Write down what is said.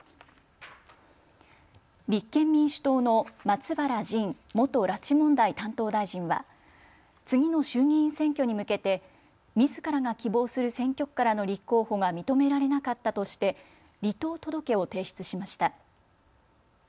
立憲民主党の松原仁元拉致問題担当大臣は次の衆議院選挙に向けてみずからが希望する選挙区からの立候補が認められなかったとして離党届を提出しました。